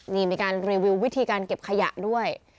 นี่มีการรีวิววิธีการเก็บขยะด้วย